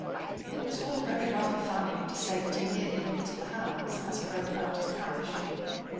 It was all very well for Fanny to say that he merely looked at the hounds as he rode about his parish.